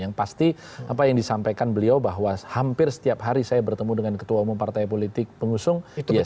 yang pasti apa yang disampaikan beliau bahwa hampir setiap hari saya bertemu dengan ketua umum partai politik pengusung